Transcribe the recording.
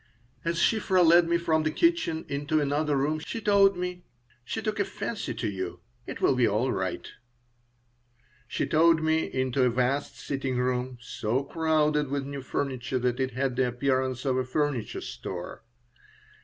As Shiphrah led me from the kitchen into another room she said: "She took a fancy to you. It will be all right." She towed me into a vast sitting room, so crowded with new furniture that it had the appearance of a furniture store.